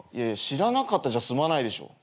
知らなかったじゃ済まないでしょ。